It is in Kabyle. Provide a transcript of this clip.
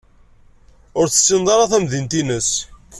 Ur tessined ara tamdint-nnes.